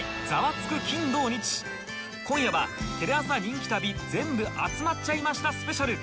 今夜はテレ朝人気旅全部集まっちゃいましたスペシャル